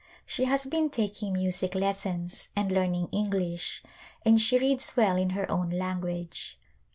She has been taking music lessons and learning English and she reads well in her own language.